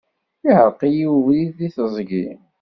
Yeɛreq-iyi webrid deg teẓgi.